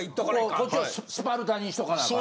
こっちをスパルタにしとかなアカン。